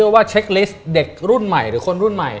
ว่าเช็คลิสต์เด็กรุ่นใหม่หรือคนรุ่นใหม่